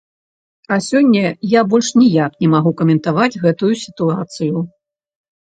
А сёння я больш ніяк не магу каментаваць гэтую сітуацыю.